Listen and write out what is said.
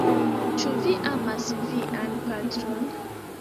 Ĉu vi amas vian patron?